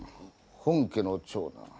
本家の長男。